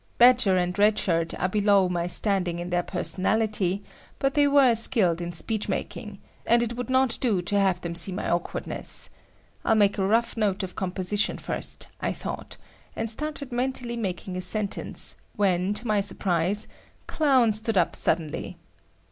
Badger and Red Shirt are below my standing in their personality, but they were skilled in speech making, and it would not do to have them see my awkwardness. I'll make a rough note of composition first, I thought, and started mentally making a sentence, when, to my surprise, Clown stood up suddenly.